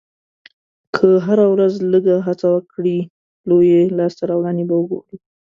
که هره ورځ لږه هڅه هم وکړې، لویې لاسته راوړنې به وګورې.